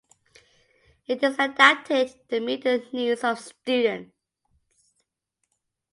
It is adapted to meet the needs of students.